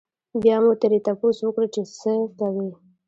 بيا مو ترې تپوس وکړو چې څۀ کوئ؟